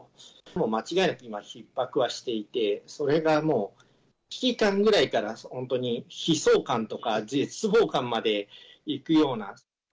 もう間違いなくひっ迫はしていて、それがもう、危機感ぐらいから本当に悲壮感とか絶望感までいくような。